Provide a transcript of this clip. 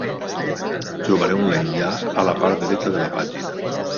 Trobareu l'enllaç a la part dreta de la pàgina.